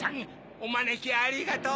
おまねきありがとう。